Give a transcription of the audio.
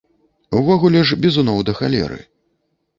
Увогуле ж бізуноў да халеры.